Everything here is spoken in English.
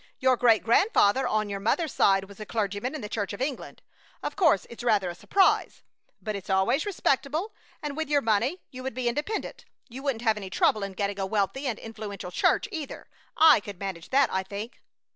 Your great grandfather on your mother's side was a clergyman in the Church of England. Of course it's rather a surprise, but it's always respectable, and with your money you would be independent. You wouldn't have any trouble in getting a wealthy and influential church, either. I could manage that, I think."